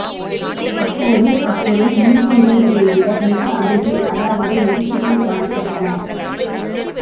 அப்போது அப்பொருள் முன்பு இருந்ததைவிட மிக அருகில் அதாவது நெருக்கத்தில் காணப்பட்டன!